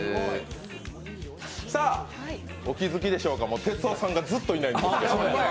お気づきでしょうか、哲夫さんがずっといないんですけど。